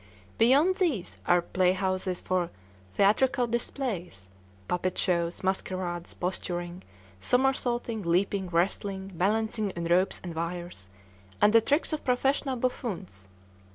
Beyond these are playhouses for theatrical displays, puppet shows, masquerades, posturing, somersaulting, leaping, wrestling, balancing on ropes and wires, and the tricks of professional buffoons.